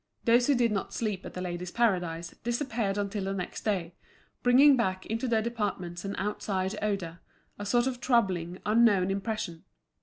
Those who did not sleep at The Ladies' Paradise, disappeared until the next day, bringing back into their departments an outside odour, a sort of troubling, unknown impression.